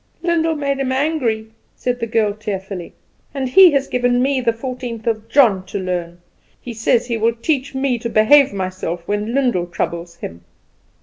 "Lyndall made him angry," said the girl tearfully; "and he has given me the fourteenth of John to learn. He says he will teach me to behave myself when Lyndall troubles him."